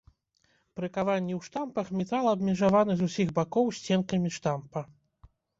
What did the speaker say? Пры каванні ў штампах метал абмежаваны з усіх бакоў сценкамі штампа.